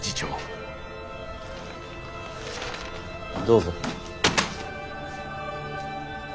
どうぞ。